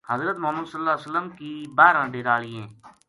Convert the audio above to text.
حضرت محمد ﷺ کی بارہ ڈٰیرا آلی ہیں۔